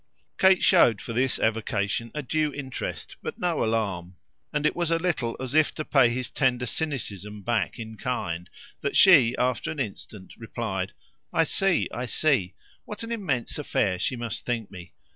Kate showed for this evocation a due interest, but no alarm; and it was a little as if to pay his tender cynicism back in kind that she after an instant replied: "I see, I see what an immense affair she must think me!